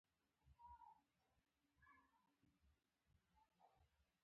خو مزي مې ورپورې ونه تړل.